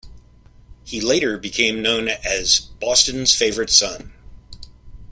He later became known as 'Boston's Favourite Son'.